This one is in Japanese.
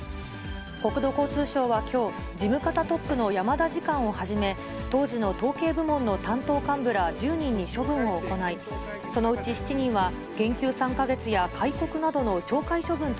国土交通省はきょう、事務方トップの山田次官をはじめ、当時の統計部門の担当幹部ら１０人に処分を行い、そのうち７人は、